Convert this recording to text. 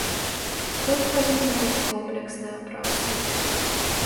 Тут павінна быць комплексная праца.